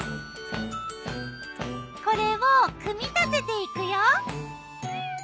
これを組み立てていくよ。